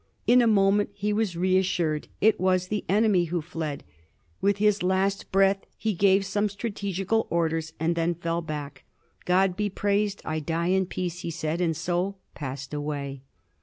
In a moment he was reas sured; it was the enemy who fled; with his last breath he gave some strategical orders, and then fell back. '' God be praised, I die in peace," he said, and so passed away.